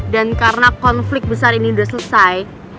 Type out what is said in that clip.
dan karena konflik besar ini udah selesai